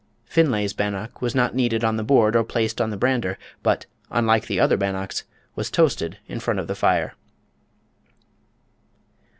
Finlay's bannock was not kneaded on the board or placed on the brander, but, unlike the other bannocks, was toasted in front of the fire.